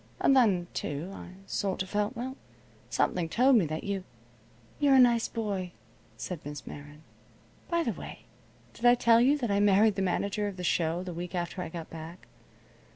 And then, too, I sort of felt well, something told me that you " "You're a nice boy," said Miss Meron. "By the way, did I tell you that I married the manager of the show the week after I got back?